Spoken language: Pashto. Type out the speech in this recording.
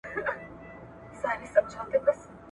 دا متل دی یوه ورځ د بلي مور ده ..